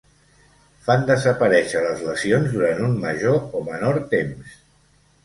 Fan desaparèixer les lesions durant un major o menor temps.